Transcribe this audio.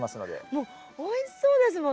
もうおいしそうですもん。